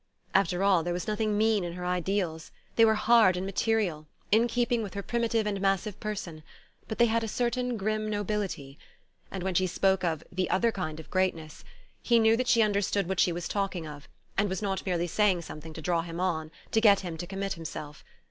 After all, there was nothing mean in her ideals they were hard and material, in keeping with her primitive and massive person; but they had a certain grim nobility. And when she spoke of "the other kind of greatness" he knew that she understood what she was talking of, and was not merely saying something to draw him on, to get him to commit himself.